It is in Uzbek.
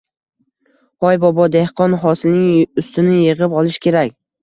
Hoy, bobodehqon, hosilning ustini yig’ib olish kerak!